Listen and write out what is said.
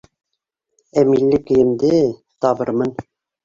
Ә милли кейемде... табырмын.